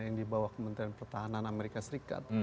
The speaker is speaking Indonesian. yang dibawa ke menteri pertahanan amerika serikat